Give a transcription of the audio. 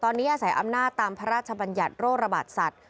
ตอนนี้อาศัยอำนาจตามพระราชบัญญัติโรคระบาดสัตว์